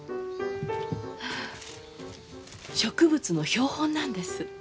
植物の標本なんです。